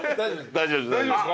大丈夫ですか？